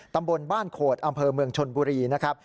ตำบลบ้านโขดอำเภอเมืองชนบุรีนะครับ